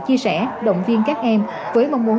chia sẻ động viên các em với mong muốn